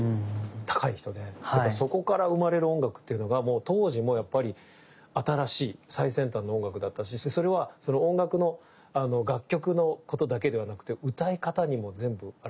そこから生まれる音楽っていうのがもう当時もやっぱり新しい最先端の音楽だったしそしてそれはその音楽の楽曲のことだけではなくて歌い方にも全部表れてて。